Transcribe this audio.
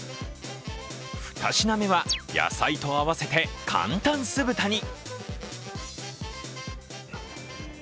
２品目は、野菜と合わせて簡単酢豚に。